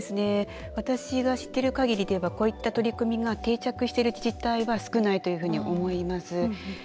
私が知っているかぎりではこういった取り組みが定着している自治体は少ないというふうに思います。